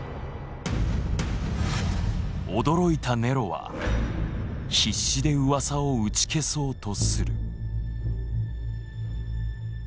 驚いたネロは必死でうわさを打ち消そうとする。